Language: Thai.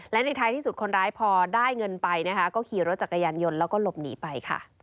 และในท้ายที่สุดคนร้ายพอได้เงินไปนะคะก็ขี่รถจักรยานยนต์แล้วก็หลบหนีไปค่ะ